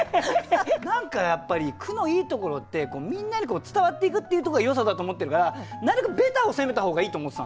何かやっぱり句のいいところってみんなに伝わっていくっていうところがよさだと思ってるからなるべくベタを攻めた方がいいと思ってたんですよ。